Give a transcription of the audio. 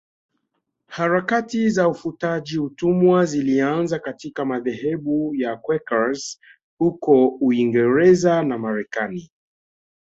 Harakati za ufutaji utumwa zilianza katika madhehebu ya Quakers huko Uingereza na Marekani